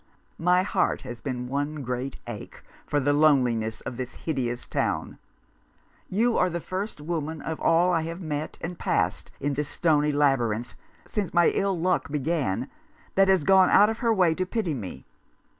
My heart has been one great ache for the loneliness of this hideous town. You are the first woman of all I have met and passed in this stony labyrinth — since my ill luck began — thit has gone out of her way to pity me.